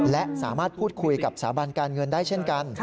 และสามารถพูดคุยกับสถาบันการเงินได้เช่นกัน